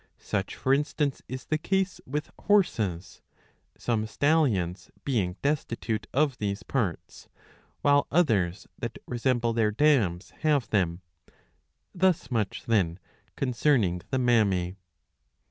Such for instance is the case with horses, some stallions being destitute of these parts, while others that resemble their dams have them.^ Thus much then concerning the mammae.